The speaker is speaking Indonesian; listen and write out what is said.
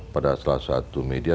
pada salah satu media